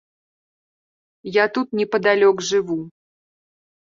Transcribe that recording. Я тут непадалёк жыву.